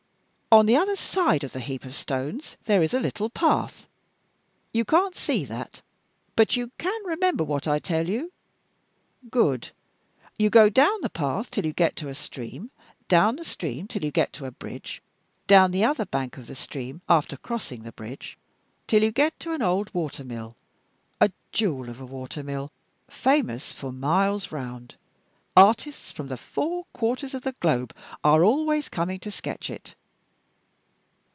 On the other side of the heap of stones there is a little path; you can't see that, but you can remember what I tell you? Good. You go down the path till you get to a stream; down the stream till you get to a bridge; down the other bank of the stream (after crossing the bridge) till you get to an old water mill a jewel of a water mill, famous for miles round; artists from the four quarters of the globe are always coming to sketch it.